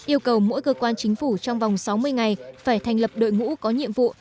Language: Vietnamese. yêu cầu mỗi cơ quan chính phủ trong vòng sáu mươi ngày phải thành lập đội ngũ có nhiệm vụ